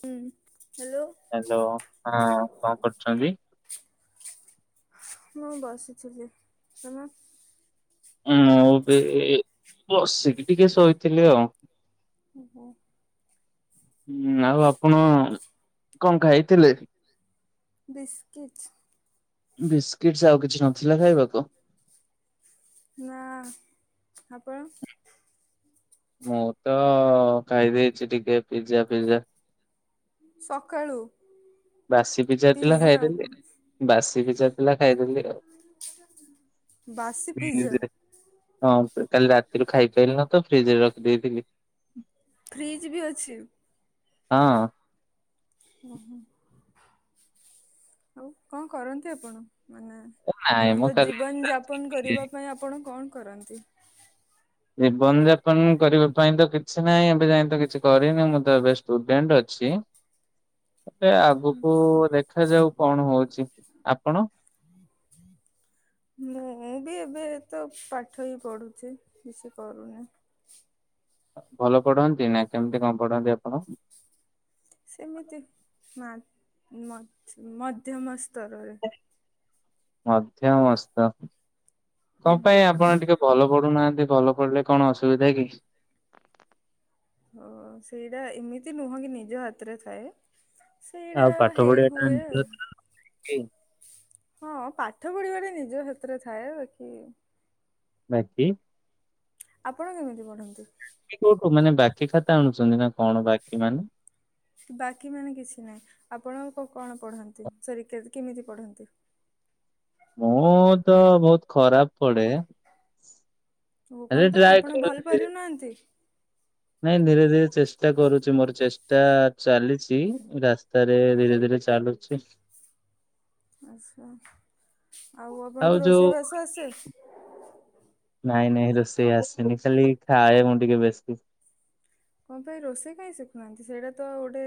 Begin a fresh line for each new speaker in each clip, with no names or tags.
ହୁଁ, hello.
Hello ହଁ କଣ କରୁଛନ୍ତି?
ମୁଁ ବସିଥିଲି। ତୁମେ?
ନା ଏବେ ବସିକି ଟିକେ ଶୋଇଥିଲି ଆଉ।
କୁହ।
ଆଉ ଆପଣ କଣ ଖାଇଥିଲେ?
ବିସ୍କିଟ୍।
ବିସ୍କିଟ୍ ସେ ଆଉ କିଛି ନଥିଲା ଖାଇବାକୁ?
ନା। ଆପଣ?
ମୁଁ ତ ଖାଇଦେଇଛି ଟିକେ ପିଜା ଫିଜା।
ସକାଳୁ?
ବାସି ପିଜା ଥିଲା
ପିଜ୍ଜା
ଖାଇଦେଲି। ବାସି ପିଜା ଥିଲା ଖାଇଦେଲି ଆଉ।
ବାସି ପିଜା?
ଫ୍ରିଜରେ ହଁ କାଲି ରାତିରୁ ଖାଇପାଇଲି ନା ତ ଫ୍ରିଜ୍ ରେ ରଖିଦେଇଥିଲି।
ଫ୍ରିଜ୍ ବି ଅଛି?
ହଁ।
ଓହୋ ଆଉ କଣ କରନ୍ତି ଆପଣ ମାନେ?
ନାଇଁ ମୁଁ
ଆପଣଙ୍କ
କାଲି
ଜୀବନ ଯାପନ କରିବା ପାଇଁ ଆପଣ କଣ କରନ୍ତି?
ଜୀବନ ଯାପନ କରିବା ପାଇଁ ତ କିଛି ନାହିଁ ଏବେ ଯାଏତ କିଛି କରିନି ମୁଁ ତ ଏବେ ଷ୍ଟୁଡେଣ୍ଟ ଅଛି।
[unintelligible]
ଏବେ ଆଗକୁ ଦେଖାଯାଉ କଣ ହଉଛି ଆପଣ?
ମୁଁ ବି ଏବେ ତ ପାଠ ହି ପଢ଼ୁଛି କିଛି କରୁନି।
ଭଲ ପଢନ୍ତି ନା କେମିତି କଣ ପଢନ୍ତି ଆପଣ?
ସେମିତି ମା ମ ମଧ୍ୟମ ସ୍ତରରେ।
ମଧ୍ୟମ ସ୍ତର। କଣ ପାଇଁ ଆପଣ ଟିକେ ଭଲ ପଡୁନାହାନ୍ତି ଭଲ ପଢିଲେ କଣ ଅସୁବିଧା କି?
ସେଇରା ଏମିତି ନୁହଁ କି ନିଜ ହାତରେ ଥାଏ। ସେଇଟା
ଆଉ ପାଠ
ହେଇ
ପଢିବା ଟା
ହୁଏ।
ନିହାତି କି
ହଁ ପାଠ ପଢିବା ଟା ନିଜ ହାତରେ ଥାଏ ବାକି
ବାକି
ଆପଣ କେମିତି ପଢନ୍ତି?
କିକୋଉଠୁ ମାନେ ବାକି ଖାତା ଆଣୁଛନ୍ତି ନା କଣ ବାକି ମାନେ
ବାକି ମାନେ କିଛି ନାହିଁ ଆପଣ କଣ ପଢନ୍ତି ସରି କେମିତି ପଢନ୍ତି?
ମୁଁ ତ ବହୁତ ଖରାପ ପଡେ।
ହଉ କଣ ପାଇଁ ଆପଣ
କରୁଛି
ଭଲ
ଧୀରେ
ପଢ଼ୁ ନାହାନ୍ତି?
ନାଇଁ ଧୀରେ ଧୀରେ ଚେଷ୍ଟା କରୁଛି ମୋର ଚେଷ୍ଟା ଚେଷ୍ଟା ଚାଲିଛି ରାସ୍ତାରେ ଧୀରେ ଧୀରେ ଚାଲୁଛି।
ଆଚ୍ଛା ଆଉ ଆପଣଙ୍କ ରୋଷେଇ ବାସ ଆସେ?
ନାଇଁ ନାଇଁ ରୋଷେଇ ଆସେନି ଖାଲି ଖାଏ ମୁଁ ଟିକେ ବେଶୀ।
କଣ ପାଇଁ ରୋଷେଇ କାଇ ଶିଖୁନାହାନ୍ତି ସେଇଟା ତ ଗୋଟେ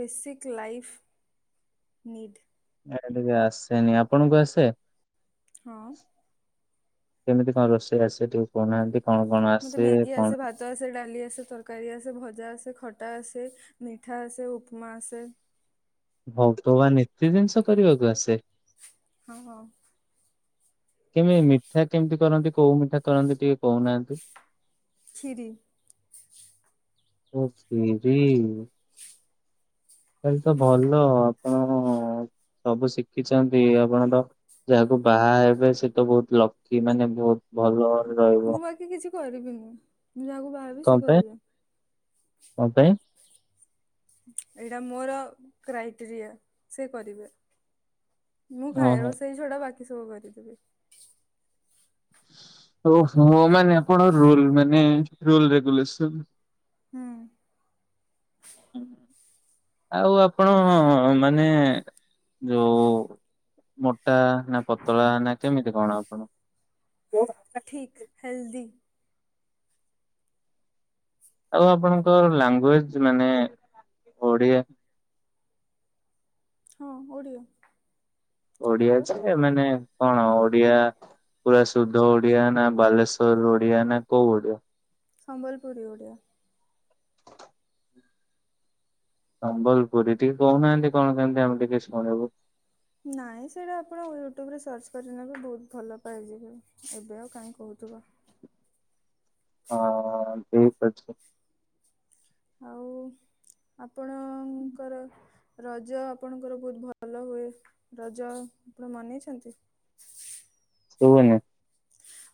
ବେସିକ ଲାଇଫ? ନି ଟି।
ଇଆଡେ ଟିକେ ଆସେନି ଆପଣଙ୍କୁ ଆସେ?
ହଁ।
କେମିତି କଣ ରେଷେଇ ଆସେ ଟିକେ କହୁନାହାନ୍ତି? କଣ କଣ
ମତେ
ଆସେ
ମ୍ୟାଗି
କଣ
ଆସେ ଭାତ ଆସେ ଡାଲି ଆସେ ତରକାରୀ ଆସେ ଭଜା ଆସେ ଖଟା ଆସେ। ମିଠା ଆସେ ଉପମା ଆସେ।
ଭଗବାନ ଏତେ ଜିନିଷ କରିବାକୁ ଆସେ।
ହଁ ହଁ
କେମିତି ମିଠା କେମିତି କରନ୍ତି କୋଉ ମିଠା କରନ୍ତି ଟିକେ କହୁନାହାନ୍ତି?
ଖିରି।
ଓ ଖିରି। ତ ଭଲ ଆପଣ ସବୁ ଶିଖିଛନ୍ତି ଆପଣତ ଯାହାକୁ ବାହା ହେବେ ସେ ତ ବହୁତ ଲକି ମାନେ ବହୁତ ଭଲଘରେ ରହିବେ
ମୁଁ ବାକି କିଛି କରିବିନି ମୁଁ ଯାହାକୁ ବାହା ହେବି
କଣ
ସେ
ପାଇଁ
କରିବ।
କଣ ପାଇଁ।
ଏଇଟା ମୋର କ୍ରାଇଟେରିଆ ସେ କରିବେ ମୁଁ ଖାଇବା
ଓହୋ।
ରୋଷେଇ ଛଡା ବାକି ସବୁ କରିଦେବି।
ଓହୋ ମାନେ ଆପଣ ରୁଲ ମାନେ ରୁଲ ରେଗୁଲେସନ।
ହୁଁ [unintelligible]
ଆଉ ଆପଣ ମାନେ ଯଉ ମୋଟା ନା ପତଳା ନା କେମିତି କଣ ଆପଣ?
ଠିକ ହେଲ୍ଦି।
ଆଉ ଆପଣଙ୍କ ଲାଙ୍ଗୁଏଜ ମାନେ ଓଡିଆ
ହଁ ଓଡ଼ିଆ।
ଓଡିଆ
ଆପଣଙ୍କର
ଯେ ମାନେ କଣ ଓଡିଆ ପୁରା ଶୁଦ୍ଧ ଓଡିଆ ନା ବାଲେଶ୍ୱର ଓଡିଆ ନା କୋଉ ଓଡିଆ?
ସମ୍ବଲପୁରୀ ଓଡ଼ିଆ।
ସମ୍ବଲପୁରୀ, ଟିକେ କହୁନାହାନ୍ତି କଣ କେମତି ଆମେ ଟିକେ ଶୁଣିବୁ।
ନାଇଁ ସେଇଟା ଆପଣ ୟୁଟ୍ୟୁବରେ ସର୍ଚ୍ଚ କରିନେବେ ବହୁତ ଭଲ ପାଇଯିବେ ଏବେ ଆଉ କାହିଁ କହୁଥିବ।
ହଁ ଠିକ ଅଛି।
ଆଉ ଆପଣଙ୍କର ରଜ ଆପଣଙ୍କର ବହୁତ ଭଲ ହୁଏ। ରଜ ଆପଣ ମନେଇଛନ୍ତି? [inaudible]
ଶୁଭୁନି।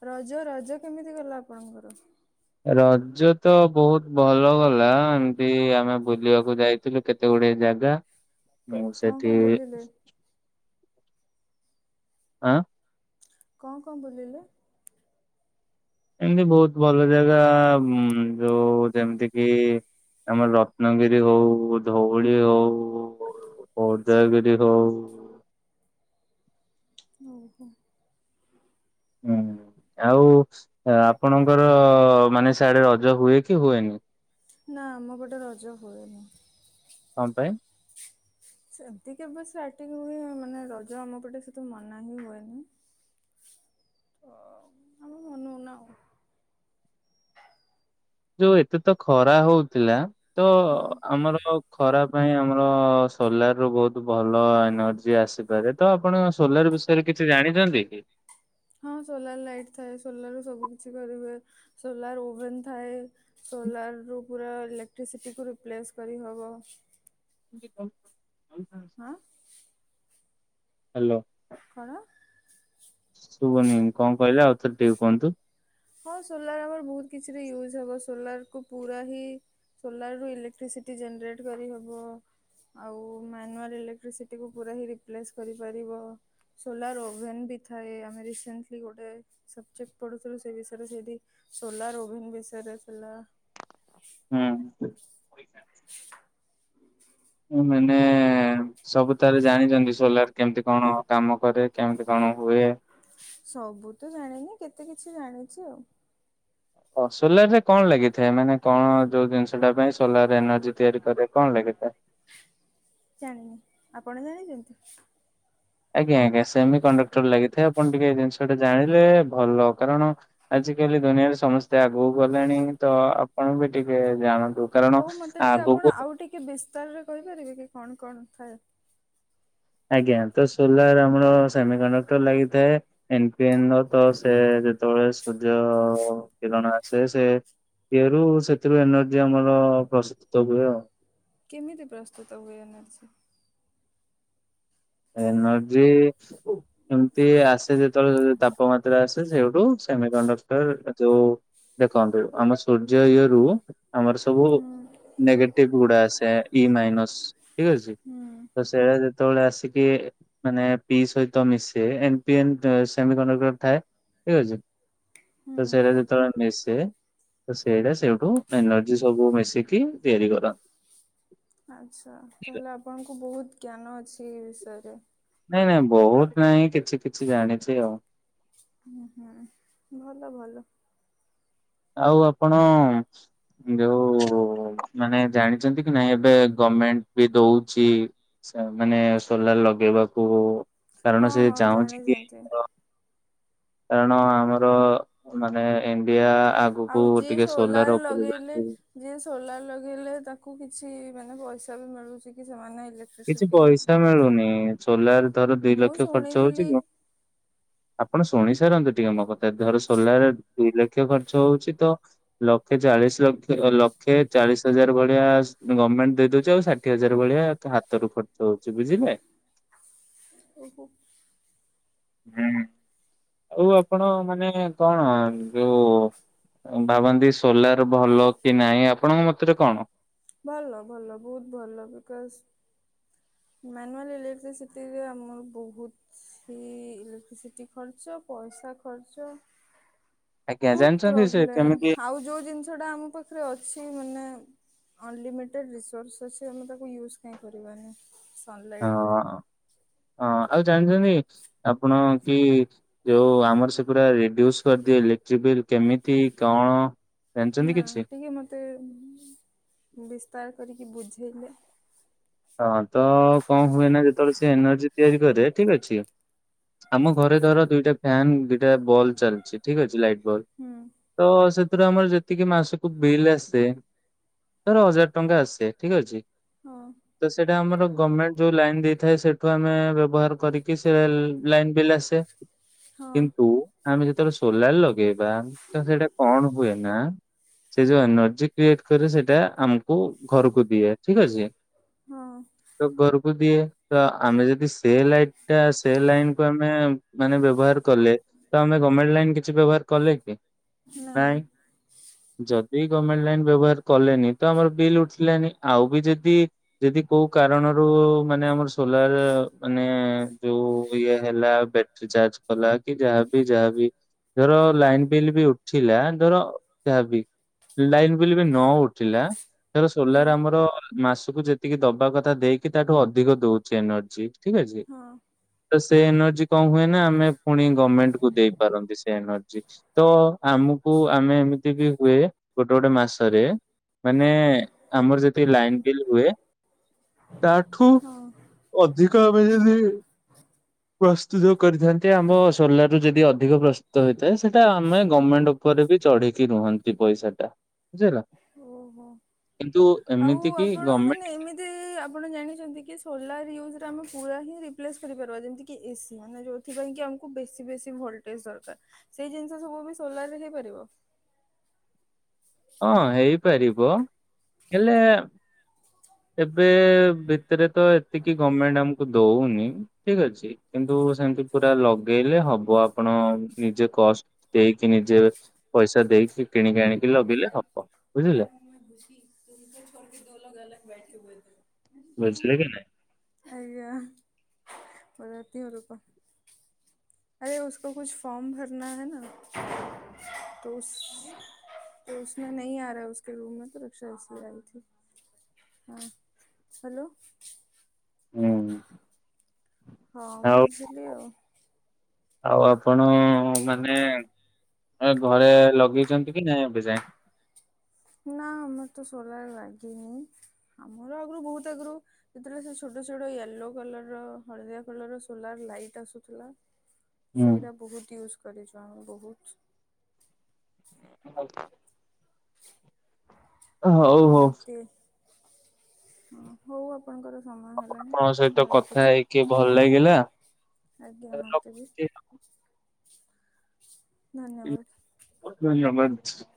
ରଜ ରଜ କେମିତି ଗଲା ଆପଣଙ୍କର?
ରଜ ତ ବହୁତ ଭଲ ଗଲା। ଏମତି ଆମେ ବୁଲିବାକୁ ଯାଇଥିଲୁ କେତେ ଗୁଡିଏ ଜାଗା। ମୁଁ
କଣ
ସେଠି
କଣ ବୁଲିଲେ?
ଆଁ?
କଣ କଣ ବୁଲିଲେ?
ଏମିତି ବହୁତ ଭଲ ଜାଗା ଯୋଉ ଯେମିତି କିି ଆମର ରତ୍ନଗିରି ହଉ, ଧଉଳି ହଉ ଉଦୟଗିରି ହଉ
ଓହୋଃ।
ହୁଁ, ଆଉ ଆପଣଙ୍କର ମାନେ ସିଆଡେ ରଜ ହୁଏ କି ହୁଏନି?
ନାଁ ଆମ ପଟେ ରଜ ହୁଏନି।
କଣ ପାଇଁ?
ସେମିତି କେବେ ସ୍ଲାଇଡ୍ ଟିକେ ହୁଏ ମାନେ ରଜ ଆମ ପଟେ ସେତେ ମନା ହିଁ ହୁଏନି। ଓଃ। ଆମେ ମନଉନା ଆଉ।
ଯୋଉ ଏତେ ତ ଖରା ହଉଥିଲା ତ
ହଁ।
ଆମର ଖରା ପାଇଁ ଆମର ସୋଲାର ରୁ ବହୁତ ଭଲ ଏନର୍ଜି ଆସିପାରେ। ତ ଆପଣ ସୋଲାର ବିଷୟରେ କିଛି ଜାଣିଛନ୍ତି କି?
ହଁ ସୋଲାର ଲାଇଟ୍ ଥାଏ। ସୋଲାରରୁ ସବୁ କିିଛି କରିହୁଏ। ସୋଲାର ଓଭେନ୍ ଥାଏ ସୋଲାରରୁୁ ପୁରା ଇଲେକ୍ଟ୍ରିସିଟିକୁ ରିପ୍ଲେସ୍ କରିହେବ।
[inaudible]
ହାଁ?
ହ୍ୟାଲୋ?
କଣ?
ଶୁଭୁନି କଣ କହିଲେ ଆଉଥରେ ଟିକେ କୁହନ୍ତୁ।
ହଁ, ସୋଲାର ଆମର ବହୁତ କିଛିରେ ୟୁଜ୍ ହବ। ସୋଲାର କୁ ପୁରା ହିଁ ସୋଲାର ରୁ ଇଲେକ୍ଟ୍ରିସିଟି ଜେନେରେଟ୍ କରିହବ ଆଉ ମ୍ୟାନୁଆଲ୍ ଇଲେକ୍ଟ୍ରିସିଟିକୁ ପୁରା ହିଁ ରିପ୍ଲେସ୍ କରିପାରିବ। ସୋଲାର ଓଭେନ ବି ଥାଏ ଆମେ ରିସେଣ୍ଟଲି ଗୋଟେ ସବଜେକ୍ଟ ପଢୁଥିଲୁ ସେ ବିଷୟରେ ରେ ସେଇଠି ସୋଲାର ଓଭେନ ବିଷୟରେ ଥିଲା।
ହୁଁ।
[inaudible]
ମୁଁ ମାନେ ସବୁ ତାହାଲେ ଜାଣିଚନ୍ତି ସୋଲାର କେମତି କଣ କାମ କରେ? କେମତି କଣ ହୁଏ?
ସବୁ ତ ଜାଣିନି କେତେ କିଛି ଜାଣିଚି ଆଉ।
ଓ ସୋଲାରରେ କଣ ଲାଗିଥାଏ ମାନେ କଣ ଯୋଉ ଜିନିଷଟା ପାଇଁ ସୋଲାରରେ ଏନର୍ଜି ତିଆରି କରେ କଣ ଲାଗିଥାଏ?
ଜାଣିନି ଆପଣ ଜାଣିଚନ୍ତି?
ଆଜ୍ଞା ଆଜ୍ଞା ସେମି କଣ୍ଡକ୍ଟର ଲାଗିଥାଏ ଆପଣ ଟିକେ ଏ ଜିନଷଟି ଜାଣିଲେ ଭଲ କାରଣ ଆଜିକାଲି ଦୁନିଆରେ ସମସ୍ତେ ଆଗକୁ ଗଲେଣି ତ ଆପଣ ବି ଟିକେ ଜାଣନ୍ତୁ। କାରଣ
ହୋଉ ମତେ ଟିକେ ଆପଣ
ଆଗକୁ
ଆଉ ଟିକେ ବିସ୍ତାରରେ କହିପାରିବେ କି କଣ କଣ ଥାଏ?
ଆଜ୍ଞା ତ ସୋଲାର ଆମର ସେମି କଣ୍ଡକ୍ଟର ଲାଗିଥାଏ। ଏନ୍ ପି ଏନ୍ ର ତ ସେ ଯେତୋଳେ ସୂର୍ଯ୍ୟ କିରଣ ଆସେ ସେ ଇଏରୁ ସେଥିରୁ ଏନର୍ଜି ଆମର ପ୍ରସ୍ତୁତ ହୁଏ ଆଉ।
କେମିତି ପ୍ରସ୍ତୁତ ହୁଏ ଏନର୍ଜି?
ଏନର୍ଜି ଏ ଏମତି ଆସେ ଯେତେବେଳେ ତାପମାତ୍ରା ଆସେ ସେଇଠୁ ସେମିକଣ୍ଡକ୍ଟର ଯୋଉ ଦେଖନ୍ତୁ ଆମ ସୂର୍ଯ୍ୟ ଇଏରୁୁ ଆମର ସବୁ
ହୁଁ
ନେଗେଟିଭଗୁଡା ଆସେ ଇ ମାଇନସ୍ ଠିକ୍ ଅଛି
ହୁଁ
ତ ସେଇଡା ଯେତେବେଳେ ଆସି କି ମାନେ ପି ସହିତ ମିସେ ଏମ୍ ପି ଏମ୍ ସେମିକଣ୍ଡକ୍ଟର ଥାଏ। ଠିକ୍ ଅଛି
ହୁଁ।
ତ ସେଇଟା ଯେତେବେଳେ ମିସେ ତ ସେଇଟା ସେଇଠୁ ଏନର୍ଜି ସବୁ ମିଶିକି ତିଆରି କର।
ଆଚ୍ଛା ତାହେଲେ ଆପଣଙ୍କୁ ବୋହୁତ ଜ୍ଞାନ ଅଛି ଏ ବିଷୟରେ।
ନାଇଁ ନାଇଁ ବୋହୁତ ନାଇଁ କିଛି କିଛି ଜାଣିଛି ଆଉ।
ହୁଁ ହୁଁ ଭଲ ଭଲ।
ଆଉ ଆପଣ ଯୋଉ ମାନେ ଜାଣିଚନ୍ତି କି ନାଇଁ ଏବେ ଗମେଣ୍ଟ ବି ଦୋଉଚି ସେ ମାନେ ସୋଲାର ଲଗେଇବାକୁ
ହଁ
କାରଣ ସେ
ହଁ
ଚାହୁଁଚି କି
ଜାଣିଛନ୍ତି।
କାରଣ ଆମର ମାନେ ଇଣ୍ଡିଆ
ଆଉ
ଆଗକୁ
ଯିଏ
ଟିକେ ସୋଲାର ଉପରକୁ
ଲଗେଇଲେ
ଆସୁ।
ଯିଏ ସୋଲାର ଲଗେଇଲେ ତାକୁ କିଛି ମାନେ ପଇସା ବି ମିଳୁଚି କି ସେମାନେ ଇଲେ
କିଛି ପଇସା ମିଳୁନି ସୋଲାର ଧର ଦିଇ
ମୁଁ
ଲକ୍ଷ ଖର୍ଚ୍ଚ ହୋଉଚି କ
ଶୁଣିଥିଲି
ଆପଣ ଶୁଣିସାରନ୍ତୁ ଟିକେ ମୋ କଥା ଧର ସୋଲାର ଦିଇ ଲକ୍ଷ ଖର୍ଚ୍ଚ ହୋଉଚି ତ ଲକ୍ଷେ ଚାଳିଶ ଲକ୍ଷ ଲକ୍ଷେ ଚାଳିଶ ହଜାର ଭଳିଆ ଗମେଣ୍ଟ ଦେଇ ଦୋଉଚି ଆଉ ସା ଷାଠିଏ ହଜାର ଭଳିଆ ତେ ହାତରୁ ଖର୍ଚ୍ଚ ହୋଉଚି ବୁଝିଲେ।
ଓହୋ।
ହୁଁ ଆଉ ଆପଣ ମାନେ କଣ ଯୋଉ ଭାବନ୍ତି ସୋଲାର ଭଲ କି ନାହିଁ ଆପଣଙ୍କ ମତରେ କଣ?
ଭଲ ଭଲ ବୋହୁତ ଭଲ ବିକସ୍ ମାନୁଆଲ୍ ଇଲେକ୍ଟ୍ରିସିଟିରେ ଆମର ବୋହୁତ ସି ଇଲେକ୍ଟ୍ରିସିଟି ଖର୍ଚ୍ଚ ପଇସା ଖର୍ଚ୍ଚ
ଆଜ୍ଞା
ବୋହୁତ
ଜାଣିଛନ୍ତି ସେ
ପ୍ରୋବ୍ଲେମ
କେମିତି
ଆଉ ଯୋଉ ଜିନିଷଟା ଆମ ପାଖରେ ଅଛି ମାନେ ଅନଲିମିଟେଡ଼୍ ରିସୋର୍ସେସ୍ ଆମେ ତାକୁ ୟୁଜ୍ କାଇଁ କରିବାନି ସନଲାଇଟକୁ।
ହଁ ହଁ ଆଉ ଜାଣିଚନ୍ତି ଆପଣ କି ଯୋଉ ଆମର ସେ ପୁରା ରେଡ୍ୟୁସ କରିଦିଏ ଇଲେକ୍ଟ୍ରି ବିଲ୍ କେମିତି କଣ ଜାଣିଛନ୍ତି
ନା
କିଛି?
ଟିକେ ମତେ ବିସ୍ତାର କରିକି ବୁଝେଇଲେ?
ହଁ ତ କଣ ହୁଏନା ଯେତେବେଳେ ସେ ଏନର୍ଜି ତିଆରି କରେ ଠିକ ଅଛି ଆମ ଘରେ ଧର ଦୁଇଟା ଫ୍ୟାନ ଦୁଇଟା ବଲ୍ ଚାଲଛି ଠିକ ଅଛି ଲାଇଟ୍ ବଲ୍।
ହୁଁ।
ତ ସେଥିରୁ ଆମର ଯେତିକି ମାସକୁ ବିଲ୍ ଆସେ ଧର ହଜାର୍ ଟଙ୍କା ଆସେ ଠିକ ଅଛି।
ହଁ।
ତ ସେଇଟା ଆମର ଗମେଣ୍ଟ ଯୋଉ ଲାଇନ ଦେଇଥାଏ ସେଠୁ ଆମେ ବ୍ୟବହାର କରିକି ସେ ଲାଇନ ବିଲ ଆସେ। ସେ।
ହଁ
କିନ୍ତୁ ଆମେ ଯେତେବେଳେ ସୋଲାର ଲଗେଇବା ତ ସେଇଟା କଣ ହୁଏ ନା ସେ ଯୋଉ ଏନର୍ଜି କ୍ରିଏଟ୍ କରେ ସେଇଟା ଆମକୁ ଘରୁକୁ ଦିଏ, ଠିକ୍ ଅଛି।
ହଁ।
ତ ଘରୁକୁ ଦିଏ, ତ ଆମେ ଯଦି ସେ ଲାଇଟ୍ ଟା ସେ ଲାଇନ୍‌ କୁ ଆମେ ମାନେ ବ୍ୟବହାର କଲେ ତ ଆମେ ଗର୍ମେଣ୍ଟ ଲାଇନ୍‌ କିଛି ବ୍ୟବହାର କଲେ କି?
ନାଁ।
ନାଇଁ ଯଦି ଗର୍ମେଣ୍ଟ ଲାଇନ୍ ବ୍ୟବହାର କଲେନି ତ ଆମର ବିଲ୍ ଉଠିଲାନି, ଆଉ ବି ଯଦି ଯଦି କୋଉ କାରଣରୁ ମାନେ ଆମର ସୋଲାର୍ ମାନେ ଯୋଉ ଇଏ ହେଲା ବେ ସେ ଚାର୍ଜ କଲା କି ଯାହାବି ଯାହାବି ଧର ଲାଇନ୍ ବିଲ୍ ବି ଉଠିଲା ଧର ଯାହା ବି ଲାଇନ୍‌ ବିଲ୍‌ ବି ନ ଉଠିଲା, ଧର
ହୁଁ
ସୋଲାର୍ ଆମର ମାସକୁ ଯେ ତିକି ଦବା କଥା ଦେଇକି ତାଠୁ ଅଧିକ ଦଉଚି ଏନର୍ଜି ଠିକ୍ ଅଛି।
ହଁ
ତ ସେ ଏନର୍ଜି କଣ ହୁଏ ନା, ଆମେ ପୁଣି ଗର୍ମେଣ୍ଟକୁ ଦେଇପାରନ୍ତି ସେ ଏନର୍ଜି। ତ ଆମୁକୁ ଆମେ ଏମିତି ବି ହୁଏ ଗୋଟେ ଗୋଟେ ମାସରେ ମାନେ ଆମର ଯେତିକି ଲାଇନ୍ ବିଲ୍ ହୁଏ ତାଠୁ
ହଁ
ଅଧିକ ଆମେ ଯଦି ପ୍ରସ୍ତୁତ କରିଥାନ୍ତି ଆମ ସୋଲାର ରୁ ଯଦି ଅଧିକ ପ୍ରସ୍ତୁତ ହେଇଥାଏ ସେଇଟା ଆମେ ଗର୍ମେଣ୍ଟ କୁ ଉପରେ ବି ଚଢିକି ରୁହନ୍ତି ପଇସାଟା।
ଓହୋ, ଆଉ
ଏମିତି କି
ଆପଣ
ଗଭର୍ଣମେଣ୍ଟ
ମାନେ ଏମିତି ଚି ଆପଣ ଜାଣିଚନ୍ତି କି ସୋଲାର ୟୁଜରେ ଆମେ ପୁରା ହିଁ ରିପ୍ଲେସ୍ କରିପାରିବା ଯେମିତିକି ଏସି ମାନେ ଯୋଉ ସେଥିପାଇଁ କି ଆମକୁ ବେଶୀ ବେଶୀ ଭୋଲଟେଜ ଦରକାର ସେଇ ଜିନିଷ ସବୁ ବି ସୋଲାର ରେ ହେଇପାରିବ?
ହଁ ହେଇପାରିବ ହେଲେ ଏବେ ଭିତେରେ ତ ଏତିକି ଗର୍ମେଣ୍ଟ ଆମୁକୁ ଦଉନି ଠିକ ଅଛି। କିନ୍ତୁ ସେମିତି ପୁରା ଲଗେଇଲେ ହବ ଆପଣ ନିଜେ କଷ୍ଟ ଦେଇକି ନିଜେ ପଇସା ଦେଇକି କିଣିକି ଆଣିକି ଲଗେଇଲେ ହବ ବୁଝିଲେ।
[unintelligible]
ବୁଝିଲେ କି ନାଇଁ?
[unintelligible] [unintelligible] [unintelligible] ହଁ ହାଲୋ
ହୁଁ
ହଁ
ଆଉ
ବୁଝିଲି ଆଉ।
ଆଉ ଆପଣ ମାନେ ଏ ଘରେ ଲଗେଇଚନ୍ତି କି ନାଇଁ ଏବେ ଯାଏଁ?
ନା ଆମର ତ ସୋଲାର ଲାଗନି ଆମର ଆଗୁରୁ ବହୁତ୍ ଆଗୁରୁ ଯେତେବେଳେ ସେ ଛୋଟ ଛୋଟ ୟେଲୋ କଲର ର ହଳଦିଆ କଲର ର ସୋଲାର ଲାଇଟ୍ ଆସୁଥିଲା
ହୁଁ।
ସେଇଟା ବହୁତ୍ ୟୁଜ୍ କରିଚୁ ଆମେ ବହୁତ୍।
[inaudible] ହଉ
ଏମତି ହଁ ହଉ ଆପଣଙ୍କର ସମୟ ହେଲ୍
ଆପଣଙ୍କ
[unintelligible]
ସହିତ
ମୁଁ
କଥା
ରଖୁଛୁ
ହେଇକି ଭଲ ଲାଗିଲା।
ଆଜ୍ଞା ମତେ ବି।
ରଖୁଛି।
ଧନ୍ୟବାଦ।
ଧନ୍ୟବାଦ।